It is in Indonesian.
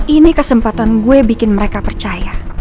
ini kesempatan gue bikin mereka percaya